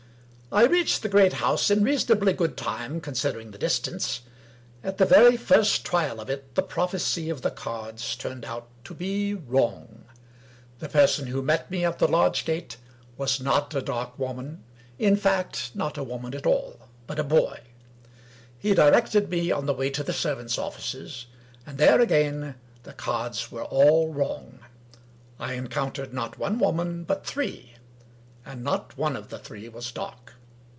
I reached the great house in reasonably good time con sidering the distance. At the very first trial of it, the prophecy of the cards turned out to be wrong. The per son who met me at the lodge gate was not a dark woman — in fact, not a woman at all — ^but a boy. He directed me on the way to the servants' offices ; and there again the cards were all wrong. I encountered, not one woman, but three — and not one of the three was dark.